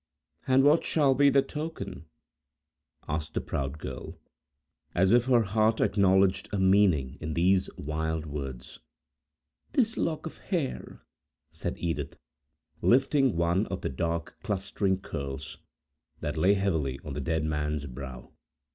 "And what shall be the token?" asked the proud girl, as if her heart acknowledged a meaning in these wild words. "This lock of hair," said Edith, lifting one of the dark, clustering curls, that lay heavily on the dead man's brow.